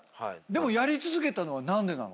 でもやり続けたのは何でなの？